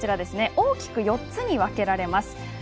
大きく４つに分けられます。